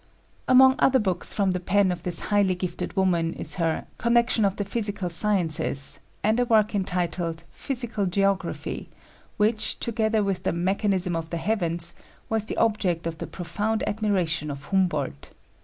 Among other books from the pen of this highly gifted woman is her Connection of the Physical Sciences and a work entitled Physical Geography, which, together with the Mechanism of the Heavens, was the object of the "profound admiration" of Humboldt.